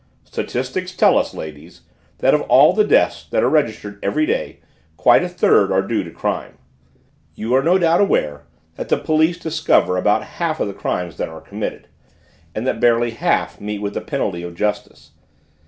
"Statistics tell us, ladies, that of all the deaths that are registered every day quite a third are due to crime. You are no doubt aware that the police discover about half of the crimes that are committed, and that barely half meet with the penalty of justice.